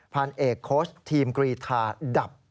พันเอกโค้ชทีมกรีธาดับ